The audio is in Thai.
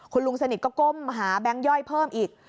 คุณลุงสนิทก็ก้มหาแบงค์ย่อยเพิ่มอีก